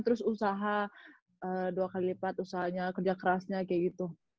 terus usaha dua kali lipat usahanya kerja kerasnya kayak gitu